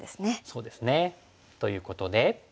そうですね。ということで。